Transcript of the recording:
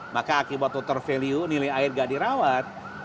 maka akibat kotor value nilai air gak dirawat